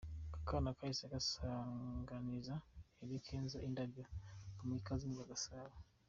Aka kana kahise gasanganiza Eddy Kenzo indabyo kamuha ikaze mu rwagasabo.